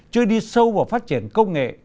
chưa đi sâu vào phát triển công nghệ